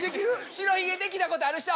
白ひげ出来たことある人。